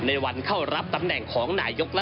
ก็ได้มีการอภิปรายในภาคของท่านประธานที่กรกครับ